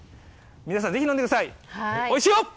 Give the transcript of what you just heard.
皆さん、ぜひ飲んでください、おいしいよ！！